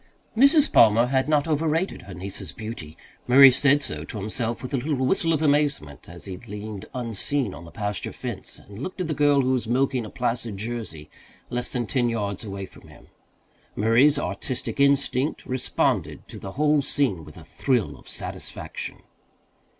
Mrs. Palmer had not over rated her niece's beauty. Murray said so to himself with a little whistle of amazement as he leaned unseen on the pasture fence and looked at the girl who was milking a placid Jersey less than ten yards away from him. Murray's artistic instinct responded to the whole scene with a thrill of satisfaction.